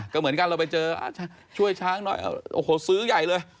ก็เหมือนกันเราไปเจอช่วยช้างหน่อยโอ้โหซื้อใหญ่เลย